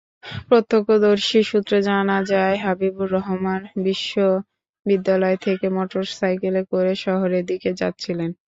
প্রত্যক্ষদর্শী সূত্রে জানা যায়, হাবিবুর রহমান বিশ্ববিদ্যালয় থেকে মোটরসাইকেলে করে শহরের দিকে যাচ্ছিলেন।